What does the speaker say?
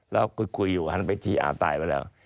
แล้วคุยอยู่หันไปทีอ้าวตายไปแล้ว